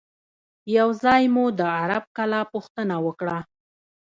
یو ځای مو د عرب کلا پوښتنه وکړه.